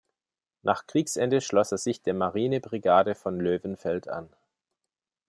Nach Kriegsende schloss er sich der Marine-Brigade von Loewenfeld an.